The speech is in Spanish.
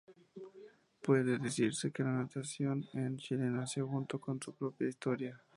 Puede decirse que la natación en Chile nació junto con su propia historia.